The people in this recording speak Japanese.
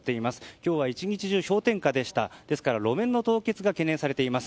今日は一日中氷点下でしたので路面の凍結が懸念されています。